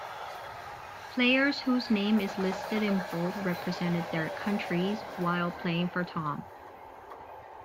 Players whose name is listed in bold represented their countries while playing for Tom.